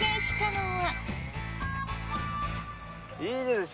いいですね。